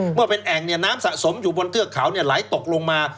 เมื่อเป็นแอ่งเนี่ยน้ำสะสมอยู่บนเทือกเขาไหลตกลงมา